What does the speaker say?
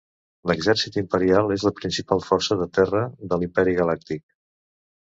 L'Exèrcit Imperial és la principal força de terra de l'Imperi Galàctic.